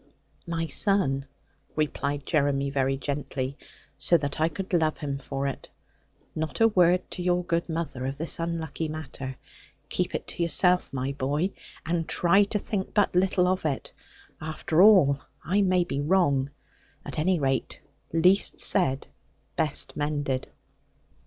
'My son,' replied Jeremy very gently, so that I could love him for it, 'not a word to your good mother of this unlucky matter. Keep it to yourself, my boy, and try to think but little of it. After all, I may be wrong: at any rate, least said best mended.'